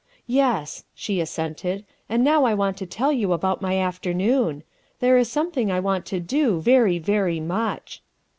" Yes," she assented, " and now I want to tell you 349 about my afternoon. There is something I want to do very, very much.